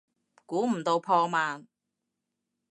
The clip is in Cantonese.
估唔到破万